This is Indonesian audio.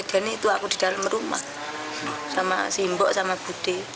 itu aku di dalam rumah sama simbok sama bude